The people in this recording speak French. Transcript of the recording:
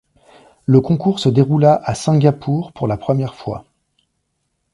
Le concours se déroula à Singapour pour la première fois.